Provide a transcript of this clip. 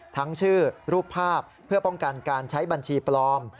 ทั้งชื่อรูปภาพเพื่อป้องกันการใช้บัญชีปลอม